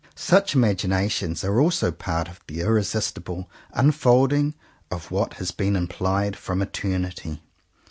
Such imaginations are also part of the irresistible unfolding of what has been implied from eternity.